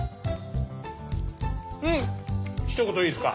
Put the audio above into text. うんひと言いいですか？